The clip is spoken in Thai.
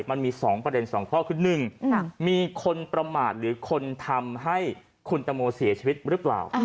มันมี๒ประเด็น๒ข้อคือ๑มีคนประมาทหรือคนทำให้คุณตังโมเสียชีวิตหรือเปล่า